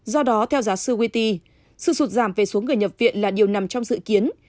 do đó theo giáo sư wity sự sụt giảm về số người nhập viện là điều nằm trong dự kiến